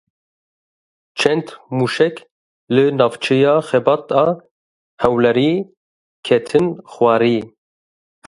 Çend mûşek li navçeya Xebat a Hewlêrê ketin xwarê.